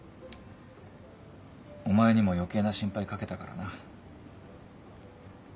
お前にも余計な心配掛けたからな。